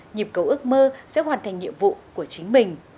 nhịp cầu ước mơ sẽ hoàn thành nhiệm vụ của chính mình